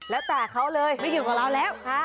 แล้วแต่เขาเลยไม่อยู่กับเราแล้ว